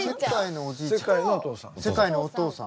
世界のお父さん。